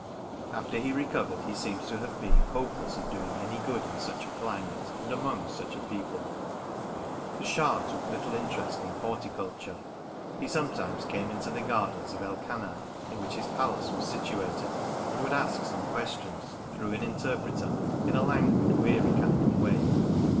After he recovered, he seems to have been hopeless of doing any good in such a climate, and among such a people. The Schah took little interest in horticulture. He some times came into the gardens of El Kanai (in which his palace was situated), and would ask some questions, through an interpreter, in a languid, weary kind of way.